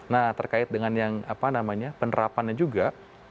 nah terkait dengan yang apa namanya penerapannya juga